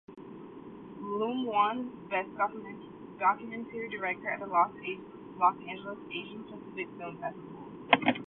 Lum won "Best Documentary Director" at the Los Angeles Asian Pacific Film Festival.